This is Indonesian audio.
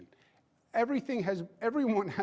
mari kita cari fakta